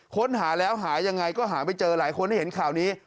ค้นหาแล้วหายังไงก็หาไม่เจอหลายคนให้เห็นข่าวนี้